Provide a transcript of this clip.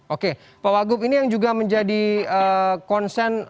oke pak wagub ini yang juga menjadi konsen